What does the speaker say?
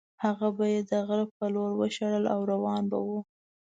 هغه به یې د غره په لور وشړل او روان به وو.